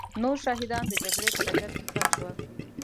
نور شهیدان د جګړې په ډګر کې ښخ شول.